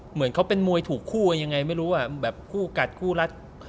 เหมือนเขาเป็นมวยถูกคู่กันยังไงไม่รู้อ่ะแบบคู่กัดคู่รัก